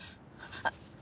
あっ